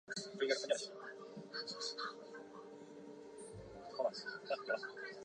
这是西安地铁开工建设以来首次出现人员伤亡的事故。